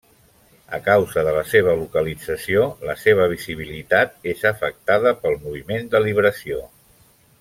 A causa de la seva localització, la seva visibilitat és afectada pel moviment de libració.